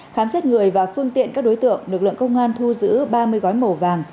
khám xét người và phương tiện các đối tượng lực lượng công an thu giữ ba mươi gói màu vàng